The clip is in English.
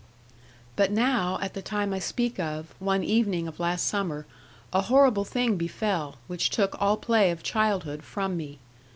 'But now, at the time I speak of, one evening of last summer, a horrible thing befell, which took all play of childhood from me.